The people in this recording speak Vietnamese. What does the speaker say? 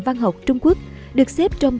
văn học trung quốc được xếp trong